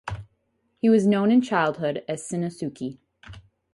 He was known in childhood as "Shinnosuke".